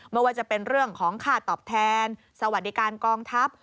ไม่ว่าจะเป็นเรื่องของค่าตอบแทนสวัสดิการกองทัพ